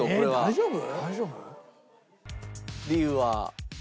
大丈夫？